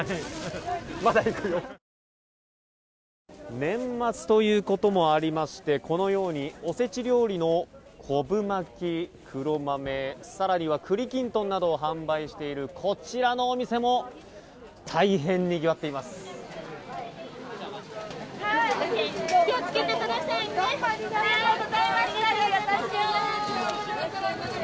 年末ということもありましてこのようにおせち料理の昆布巻き、黒豆更には栗きんとんなどを販売している、こちらのお店も大変にぎわっています。